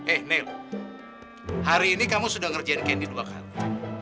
eh nel hari ini kamu sudah ngerjain kendi dua kali